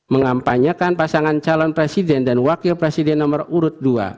mengampanyakan pasangan calon presiden dan wakil presiden nomor urut dua